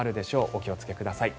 お気をつけください。